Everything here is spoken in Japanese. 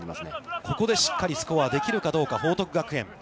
ここでしっかりスコアをできるかどうか、報徳学園。